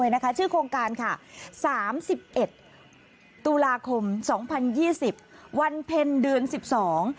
นี่ชื่อโครงการนะยาวนิดนึงนะคะ